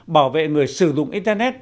bảo vệ người sử dụng internet